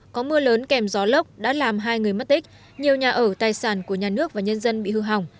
có mưa lớn kèm gió lốc đã làm hai người mất tích nhiều nhà ở tài sản của nhà nước và nhân dân bị hư hỏng